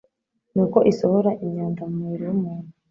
ni uko isohora imyanda mu mubiri w'umuntu.